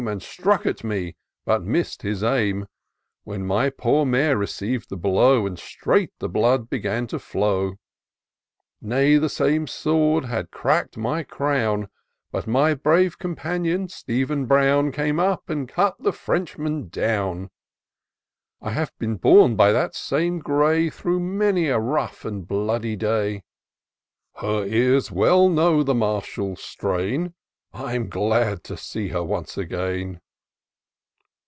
And struck at me, but miss'd his aim ; When my poor mare received the blow, And straight the blood began to flow ; Nay, the same sword had crack'd my crown, But my brave comrade, Stephen Brovm, Came up and cut the Frenchman down. I have been borne by that same grey Through many a rough and bloody day:' Her ears well know the martial strain; — I'm glad to see her once again."